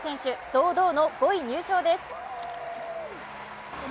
堂々の５位入賞です。